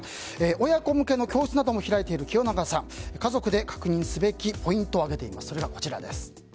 親子向けの教室なども開いている清永さん、家族で確認すべきポイントを挙げています。